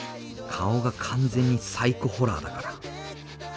顔が完全にサイコホラーだから！